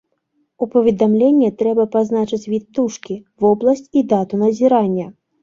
У паведамленні трэба пазначыць від птушкі, вобласць і дату назірання.